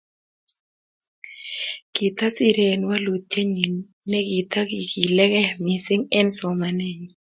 Kitasirei eng walutienyi nekitaikilikei mising eng somanenyi